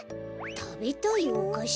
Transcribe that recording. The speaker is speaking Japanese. たべたいおかし？